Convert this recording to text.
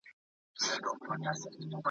دا وچه مېوه په ټوله نړۍ کې ډېر مینه وال لري.